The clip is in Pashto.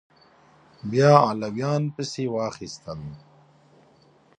بیا علویان پسې واخیستل